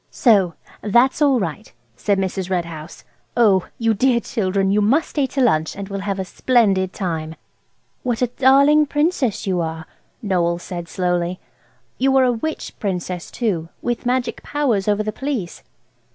"So that's all right," said Mrs. Red House. "Oh, you dear children, you must stay to lunch, and we'll have a splendid time." "What a darling Princess you are!" Noël said slowly. "You are a witch Princess, too, with magic powers over the Police."